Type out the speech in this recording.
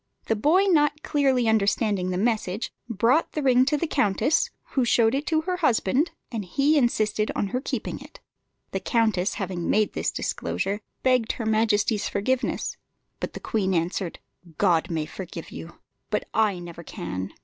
The boy not clearly understanding the message, brought the ring to the countess, who showed it to her husband, and he insisted on her keeping it. The countess, having made this disclosure, begged her majesty's forgiveness; but the queen answered, "God may forgive you, but I never can!"